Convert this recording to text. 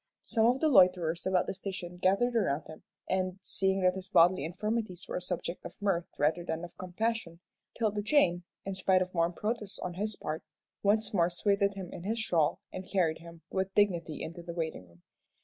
Some of the loiterers about the station gathered around him, and seeing that his bodily infirmities were a subject of mirth rather than of compassion, 'Tilda Jane, in spite of warm protests on his part, once more swathed him in his shawl, and carried him with dignity into the waiting room.